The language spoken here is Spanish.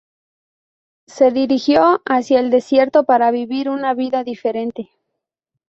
Se dirigió hacia el desierto para vivir una vida diferente.